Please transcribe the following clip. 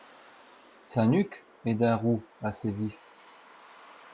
Sa nuque est d'un roux assez vif.